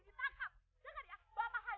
dua hari lagi